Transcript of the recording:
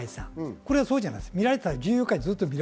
これはそうじゃないです。